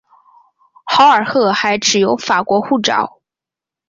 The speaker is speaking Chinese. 豪尔赫还持有法国护照。